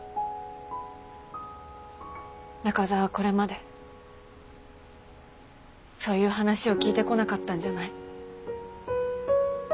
中澤はこれまでそういう話を聞いてこなかったんじゃない？